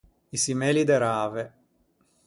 I çimmelli de rave.